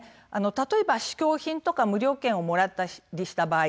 例えば試供品とか無料券をもらったりした場合。